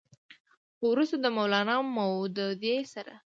خو وروستو د مولانا مودودي سره